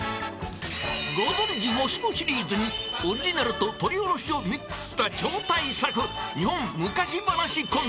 ［ご存じもしもシリーズにオリジナルと撮り下ろしをミックスした超大作日本昔話コント］